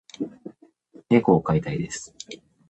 猫を飼いたいです。